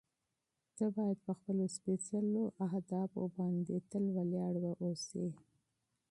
ته باید په خپلو سپېڅلو اهدافو باندې تل ولاړ واوسې.